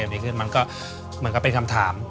แต่มันก็มันเป็นคำถาม